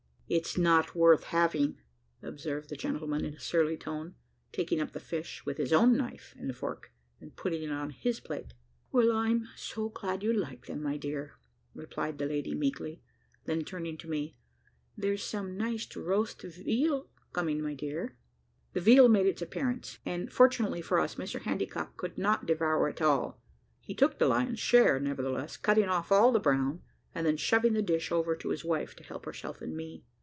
"It's not worth halving," observed the gentleman, in a surly tone, taking up the fish with his own knife and fork, and putting it on his plate. "Well, I'm so glad you like them, my dear," replied the lady meekly; then turning to me, "there's some nice roast weal coming, my dear." The veal made its appearance, and fortunately for us Mr Handycock could not devour it all. He took the lion's share, nevertheless, cutting off all the brown, and then shoving the dish over to his wife to help herself and me.